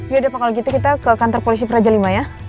yaudah pak kalau gitu kita ke kantor polisi praja v ya